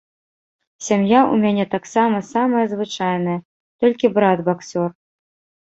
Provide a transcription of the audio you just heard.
Сям'я ў мяне таксама самая звычайная, толькі брат баксёр.